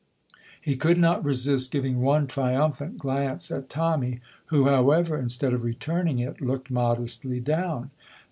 He could not resist giving one triumphant glance at Tommy, who, however, instead of returning it, looked modestly down.